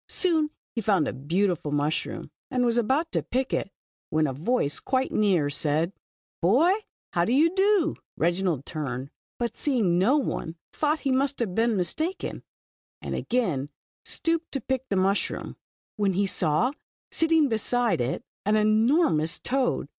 Soon he found a beautiful mushroom, and was about to pick it, when a voice quite near, said :" Boy, how do you do ?" Reginald turned, but seeing no one thought he must have been mistaken, and again stooped to pick the mushroom, when he saw, sitting beside it, an enormous toad.